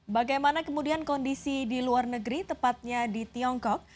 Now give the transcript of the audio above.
bagaimana kemudian kondisi di luar negeri tepatnya di tiongkok